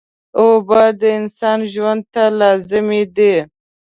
اوبه د انسان ژوند ته لازمي دي